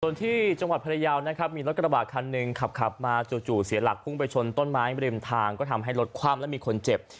โดยที่จงหัวภรรยาวมีรถกระบะคันหนึ่งขับขับมาจู่เสียหลักพุงไปชนต้นไม้เลิมทางก็ทำให้รถความและมีคนเจ็บ